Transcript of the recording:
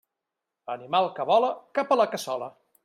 Animal que vola, cap a la cassola.